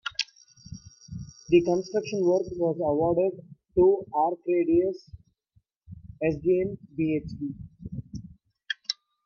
The construction works was awarded to ArcRadius Sdn Bhd.